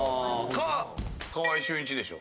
か、川合俊一でしょ。